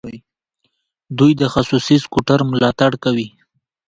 دوی د خصوصي سکټور ملاتړ کوي.